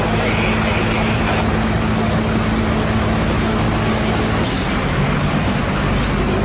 เจ๊มีดอกเลย